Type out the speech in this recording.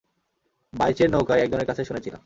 বাইচের নৌকায় একজনের কাছে শুনেছিলাম।